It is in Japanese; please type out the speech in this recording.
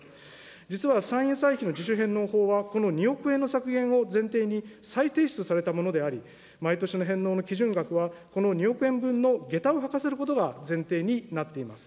実は、参院歳費の自主返納法は、この２億円の削減を前提に、再提出されたものであり、毎年の返納の基準額は、この２億円分のげたを履かせることが前提になっています。